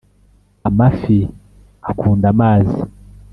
Amafi akunda amazi.